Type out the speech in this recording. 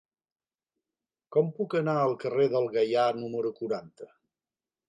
Com puc anar al carrer del Gaià número quaranta?